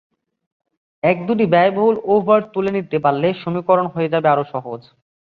এক-দুটি ব্যয়বহুল ওভার তুলে নিতে পারলে সমীকরণ হয়ে যাবে আরও সহজ।